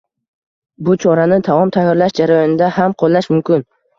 Bu chorani taom tayyorlash jarayonida ham qo‘llash mumkin.